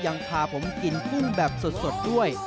ยังพาผมกินพุ่งแบบสดด้วย